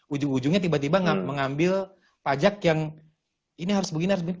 ujung ujungnya tiba tiba mengambil pajak yang ini harus begini harus begini